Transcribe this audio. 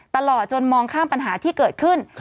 ตลอดจนมองข้ามปัญหาที่เกิดขึ้น